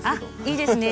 いいですね。